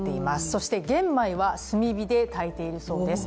そして玄米は炭火で炊いているそうです。